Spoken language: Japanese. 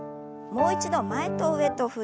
もう一度前と上に。